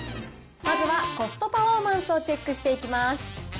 まずはコストパフォーマンスをチェックしていきます。